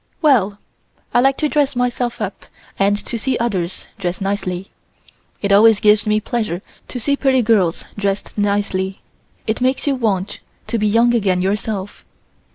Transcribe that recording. Well! I like to dress myself up and to see others dress nicely. It always gives me pleasure to see pretty girls dressed nicely; it makes you want to be young again yourself."